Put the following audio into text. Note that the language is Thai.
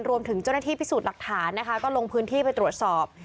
รวมถึงเจ้าหน้าที่พิสูจน์หลักฐานนะคะก็ลงพื้นที่ไปตรวจสอบ